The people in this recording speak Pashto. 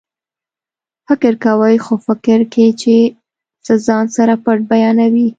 فکر کوئ خو فکر کې چې څه ځان سره پټ بیانوي